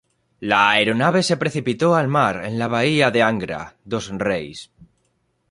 La aeronave se precipitó al mar en la bahía de Angra dos Reis.